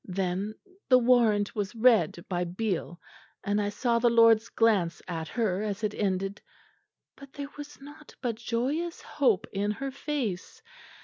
"Then the warrant was read by Beale, and I saw the lords glance at her as it ended; but there was nought but joyous hope in her face.